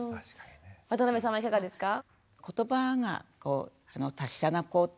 渡邊さんはいかがですか？